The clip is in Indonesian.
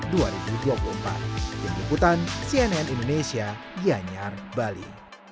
dikikutan cnn indonesia kianyar bali